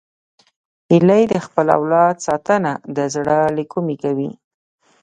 هیلۍ د خپل اولاد ساتنه د زړه له کومي کوي